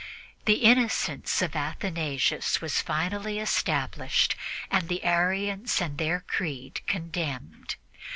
The innocence of Athanasius was finally established, the Arians and their creed condemned.